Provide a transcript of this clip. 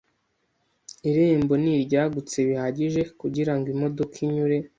Irembo ni ryagutse bihagije kugirango imodoka inyure.